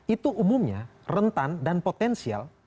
itu umumnya rentan dan potensial